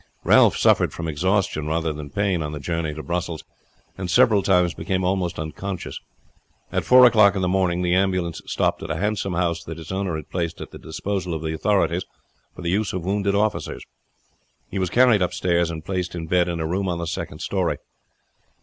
Ralph suffered from exhaustion rather than pain on the journey to Brussels, and several times became almost unconscious. At four o'clock in the morning the ambulance stopped at a handsome house that its owner had placed at the disposal of the authorities for the use of wounded officers. He was carried upstairs and placed in bed in a room on the second story.